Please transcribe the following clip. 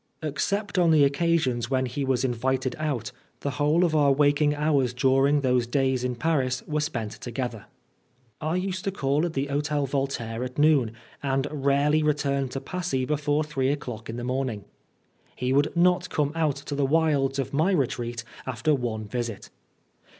Except on the occasions when he was invited out, the whole of our waking hours dur ing those days in Paris were spent together 64 Oscar Wilde I used to call at the Hotel Voltaire at noon, and rarely returned to Passy before three o'clock in the morning. He would not come out to the wilds of my retreat after one visit.